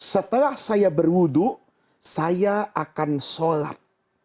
setelah saya berwudu saya akan sholat